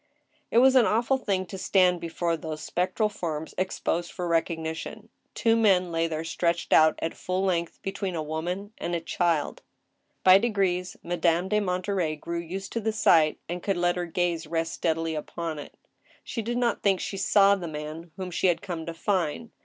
It was an awful thing to stand before those spectral forms ex posed for recognition. Two men lay there stretched out at full length between a woman and a child. By degrees Madame de Monterey grew used to the sight, and could let her gaze rest steadfly upon it. She did not think she saw the man whom she had come to find.